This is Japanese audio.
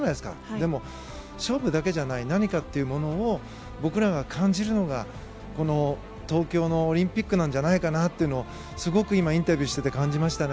でも、勝負だけじゃない何かっていうものを僕らが感じるのがこの東京のオリンピックなんじゃないかなとすごく今、インタビューしてて感じましたね。